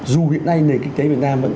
dù hiện nay nền kinh tế việt nam